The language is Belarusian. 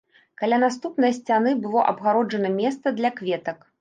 Каля наступнай сцяны было абгароджана месца для кветак.